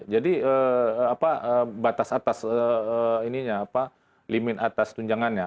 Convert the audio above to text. jadi itu batas atas ini limit atas tunjangannya